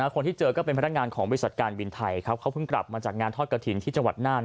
คนที่เจอก็เป็นพนักงานของบริษัทการบินไทยเขาเพิ่งกลับมาจากงานทอดกระถิ่นที่จังหวัดน่าน